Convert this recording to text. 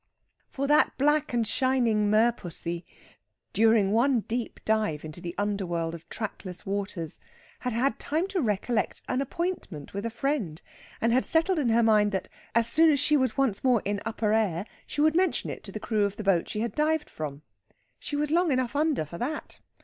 For that black and shining merpussy, during one deep dive into the under world of trackless waters, had had time to recollect an appointment with a friend, and had settled in her mind that, as soon as she was once more in upper air, she would mention it to the crew of the boat she had dived from. She was long enough under for that.